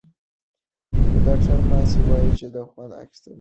ډاکټره ماسي وايي چې خوند اخیستل مهم دي.